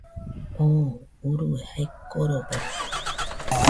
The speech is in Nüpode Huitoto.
Tú urue jae korobaite